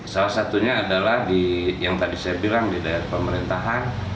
salah satunya adalah di yang tadi saya bilang di daerah pemerintahan